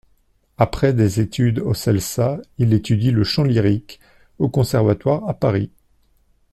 Après des études au Celsa il étudie le chant lyrique au Conservatoire à Paris.